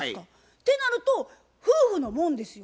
ってなると夫婦のもんですよ。